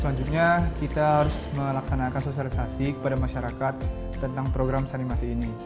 selanjutnya kita harus melaksanakan sosialisasi kepada masyarakat tentang program sanimasi ini